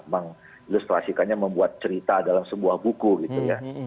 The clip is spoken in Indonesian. mengilustrasikannya membuat cerita dalam sebuah buku gitu ya